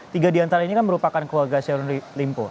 tiga di antara ini kan merupakan keluarga syahrul limpo